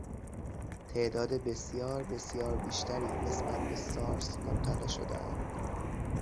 تعداد بسیار بسیار بیشتری نسبت به سارس مبتلا شدهاند